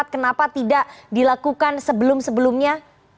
kenapa tidak dilakukan sebelum sebelumnya